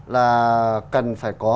là cần phải có